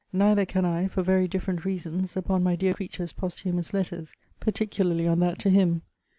Neither can I, for very different reasons, upon my dear creature's posthumous letters; particularly on that to him.